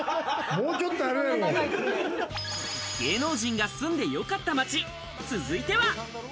芸能人が住んでよかった街、続いては。